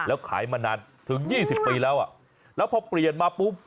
แล้วขายมานานถึง๒๐ปีแล้วอ่ะแล้วพอเปลี่ยนมาปุ๊บ